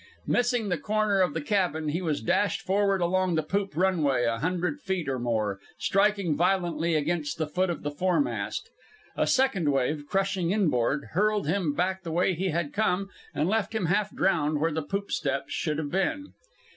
Missing the corner of the cabin, he was dashed forward along the poop runway a hundred feet or more, striking violently against the foot of the foremast. A second wave, crushing inboard, hurled him back the way he had come, and left him half drowned where the poop steps should have been.